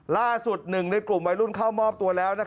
ล่าสุดหนึ่งในกลุ่มวัยรุ่นเข้ามอบตัวแล้ว